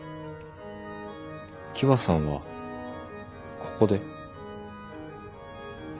喜和さんはここで？